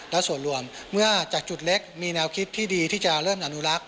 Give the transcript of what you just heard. และส่วนรวมเมื่อจากจุดเล็กมีแนวคิดที่ดีที่จะเริ่มอนุลักษ